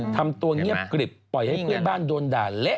ทำตัวเงียบกริบปล่อยให้เพื่อนบ้านโดนด่าเละ